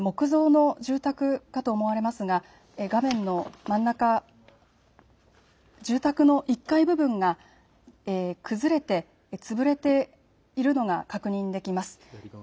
木造の住宅かと思われますが、画面の真ん中、住宅の１階部分が崩れて潰れているのが確認できます。